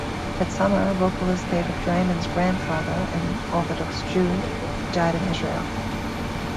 That summer, vocalist David Draiman's grandfather, an Orthodox Jew, died in Israel.